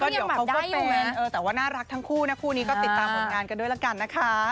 เดี๋ยวเขาก็ตรงนั้นแต่ว่าน่ารักทั้งคู่นะคู่นี้ก็ติดตามผลงานกันด้วยละกันนะคะ